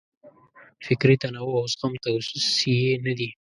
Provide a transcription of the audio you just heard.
فکري تنوع او زغم توصیې نه دي.